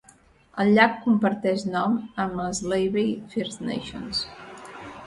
El llac comparteix nom amb l'Slavey First Nations.